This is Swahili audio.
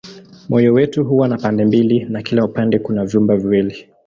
Moyo wetu huwa na pande mbili na kila upande kuna vyumba viwili.